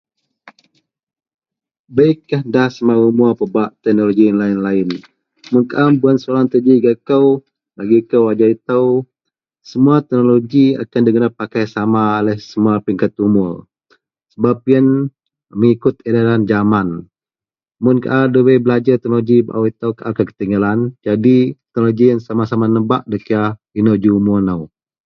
beikah da semua umur pebak teknologi lain-lain, mun kaau bawen soalan itou ji gak kou, bagi kou ajau itou semua teknologi akan diguna pakai sama oleh semua peringkat umur sebab ien mengikut edaran zaman, mun au debai belajar teknologi baau itou kaau akan ketinggalan, jadi teknologi ien sama-sama nebak da kira inou ji umur nou.